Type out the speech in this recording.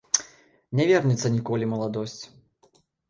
Не вернецца ніколі маладосць.